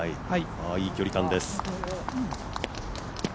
いい距離感です。